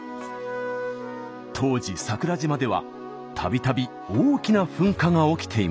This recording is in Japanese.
当時桜島ではたびたび大きな噴火が起きていました。